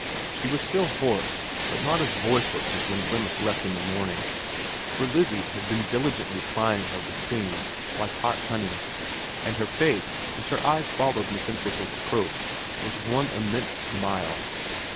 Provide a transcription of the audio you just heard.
She was still hoarse, but not as voiceless as when Wemyss left in the morning, for Lizzie had been diligently plying her with things like hot honey, and her face, as her eyes followed Miss Entwhistle's approach, was one immense smile.